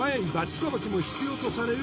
捌きも必要とされる